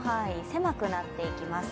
狭くなってきます。